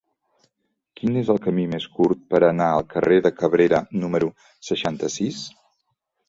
Quin és el camí més curt per anar al carrer de Cabrera número seixanta-sis?